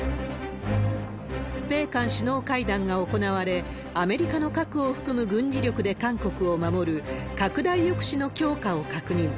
米韓首脳会談が行われ、アメリカの核を含む軍事力で韓国を守る、拡大抑止の強化を確認。